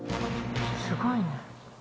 すごいね。